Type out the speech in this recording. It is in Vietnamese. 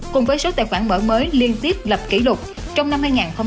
cùng với số tài khoản mở mới liên tiếp lập kỷ lục trong năm hai nghìn hai mươi ba